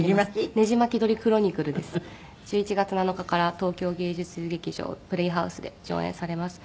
１１月７日から東京芸術劇場プレイハウスで上演されます。